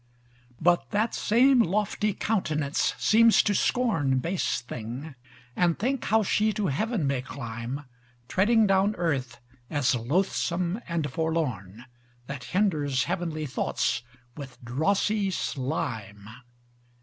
But that same lofty countenance seems to scorn Base thing, and think how she to heaven may climb: Treading down earth as lothsome and forlorn, That hinders heavenly thoughts with drossy slime.